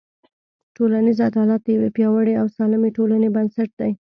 ټولنیز عدالت د یوې پیاوړې او سالمې ټولنې بنسټ دی.